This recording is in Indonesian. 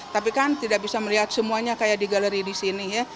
tapi kan tidak bisa melihat semuanya kayak di galeri di sini ya